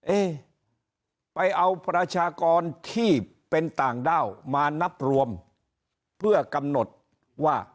เอ๊ไปเอาประชากรที่เป็นต่างด้าวมานับรวมเพื่อกำหนดว่า